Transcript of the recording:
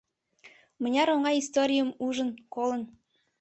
Мыняр оҥай историйым ужын, колын!